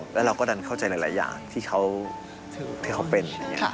แล้วเราก็ดันเข้าใจหลายอย่างที่เขาเป็น